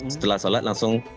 setelah sholat langsung berhenti